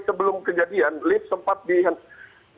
saksi sempat mengatakan bahwa